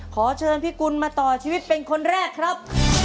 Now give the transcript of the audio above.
ขอเชิญพี่กุลมาต่อชีวิตเป็นคนแรกครับ